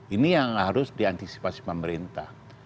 ini yang harus diantisipasi pemerintah